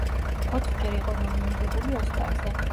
ოთხჯერ იყო ნომინირებული ოსკარზე.